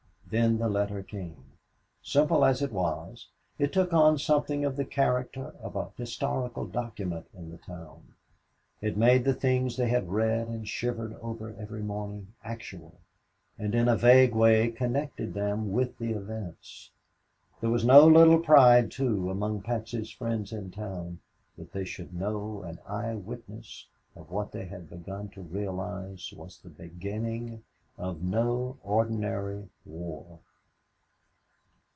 Then the letter came. Simple as it was, it took on something of the character of a historical document in the town. It made the things they had read and shivered over every morning actual and in a vague way connected them with the events. There was no little pride, too, among Patsy's friends in town that they should know an eye witness of what they had begun to realize was the beginning of no ordinary war.